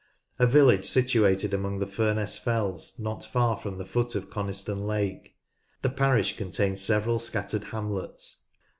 A village situated among the Furness Fells, not far from the foot of Coniston Lake. The parish contains several scattered hamlets.